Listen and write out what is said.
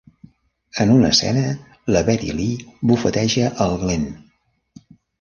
En una escena, la Betty Lee bufeteja el Glenn.